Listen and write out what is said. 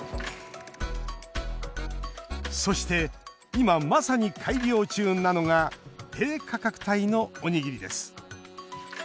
そして、今まさに改良中なのが低価格帯のおにぎりです。